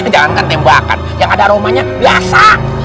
jangan kan tembakan yang ada aromanya biasa